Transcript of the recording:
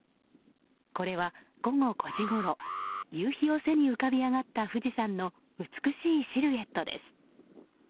これは午後５時ごろ夕日を背に浮かび上がった富士山の美しいシルエットです。